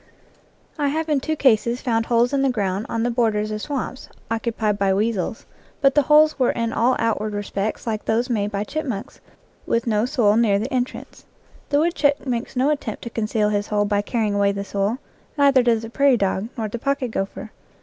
I have in two cases found holes in the ground on IN FIELD AND WOOD the borders of swamps, occupied by weasels, but the holes were in all outward respects like those made by chipmunks, with no soil near the entrance. The wood chuck makes no attempt to conceal his hole by carry ing away the soil; neither does the prairie dog, nor the pocket gopher.